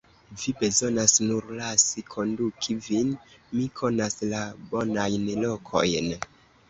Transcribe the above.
Vi bezonos nur lasi konduki vin; mi konas la bonajn lokojn.